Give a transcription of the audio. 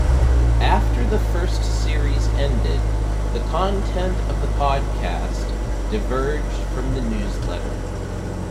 After the first series ended, the content of the podcast diverged from the newsletter.